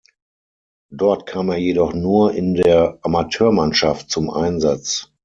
Dort kam er jedoch nur in der Amateurmannschaft zum Einsatz.